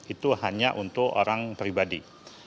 itu hanya untuk orang pribadi